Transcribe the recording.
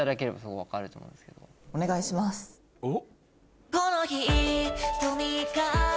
おっ。